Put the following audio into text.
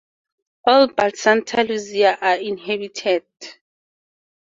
All but Santa Luzia are inhabited.